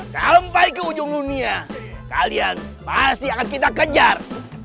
sampai ke ujung dunia kalian pasti akan kita kejar